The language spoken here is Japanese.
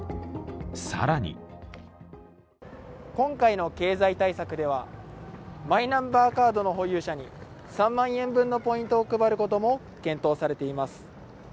更に今回の経済対策ではマイナンバーカードの保有者に３万円分のポイントを配ることも検討されています。